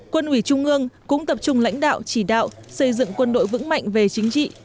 quân ủy trung ương cũng tập trung lãnh đạo chỉ đạo xây dựng quân đội vững mạnh về chính trị